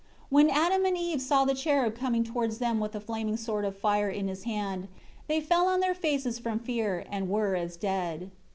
8 When Adam and Eve saw the cherub coming towards them with a flaming sword of fire in his hand, they fell on their faces from fear, and were as dead.